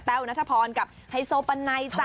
แต้วนัทพรกับไฮโซปาไนจ๊ะ